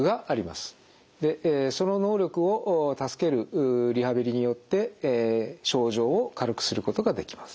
その能力を助けるリハビリによって症状を軽くすることができます。